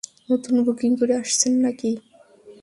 নতুন বুকিং করে আসছেন নাকি?